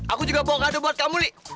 aku juga bawa kadun buat kamu li